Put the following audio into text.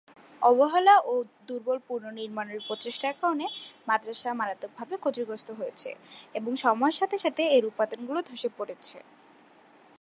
অবহেলা ও দুর্বল পুনর্নির্মাণের প্রচেষ্টার কারণে মাদ্রাসা মারাত্মকভাবে ক্ষতিগ্রস্ত হয়েছে এবং সময়ের সাথে সাথে এর উপাদানগুলি ধসে পড়েছে।